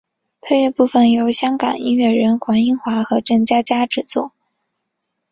配乐部分由香港音乐人黄英华和郑嘉嘉制作。